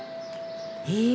へえ。